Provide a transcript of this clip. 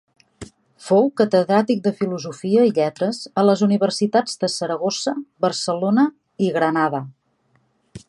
Fou catedràtic de filosofia i lletres a les universitats de Saragossa, Barcelona i Granada.